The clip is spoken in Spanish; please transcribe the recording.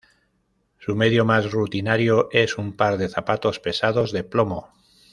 Su medio más rutinario es un par de zapatos pesados de plomo.